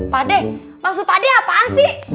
pak de maksud pak de apaan sih